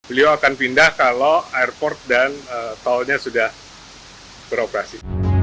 beliau akan pindah kalau airport dan tolnya sudah beroperasi